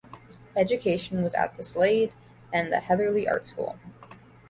Education was at the Slade and the Heatherley Art School.